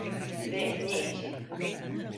Ve ne için?